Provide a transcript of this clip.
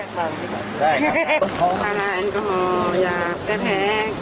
ถ้าลายแอลกอฮอล์อย่าแก้แพ้